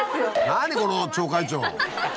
何この町会長。